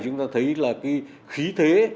chúng ta thấy là cái khí thế